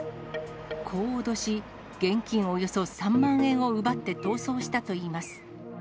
こう脅し、現金およそ３万円を奪って逃走したといいます。